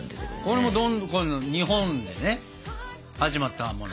これもどんどんこの日本でね始まったもの。